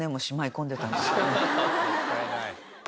もったいない。